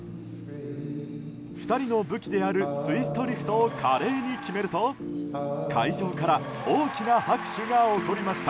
２人の武器であるツイストリフトを華麗に決めると会場から大きな拍手が起こりました。